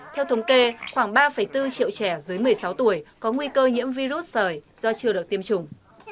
theo thống kê khoảng ba bốn triệu trẻ dưới một mươi sáu tuổi có nguy cơ nhiễm virus sởi do chưa được tiêm chủng